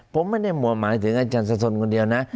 ผมไม่ได้หมวดหมายถึงอาจารย์สะสนคนเดียวนะ